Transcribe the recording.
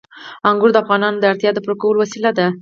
انګور د افغانانو د اړتیاوو د پوره کولو وسیله ده.